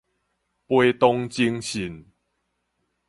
陪同偵訊